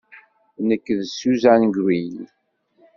Nekk d Susan Greene.